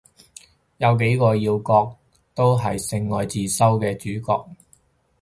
有幾個要角都係性愛自修室嘅主角